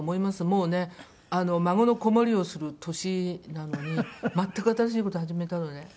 もうね孫の子守をする年なのに全く新しい事を始めたので。